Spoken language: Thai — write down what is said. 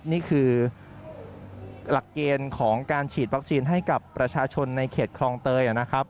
นี่คือหลักเกณฑ์ของการฉีดวัคซีนให้กับประชาชนในเขตคลองเตยนะครับ